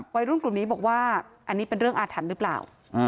วัยรุ่นกลุ่มนี้บอกว่าอันนี้เป็นเรื่องอาถรรพ์หรือเปล่า